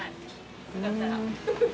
よかったら。